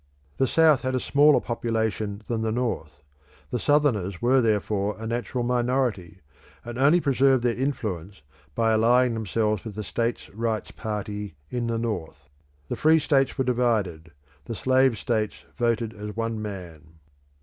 The South had a smaller population than the North; the Southerners were therefore a natural minority, and only preserved their influence by allying themselves with the states' rights party in the North. The free states were divided: the slave states voted as one man.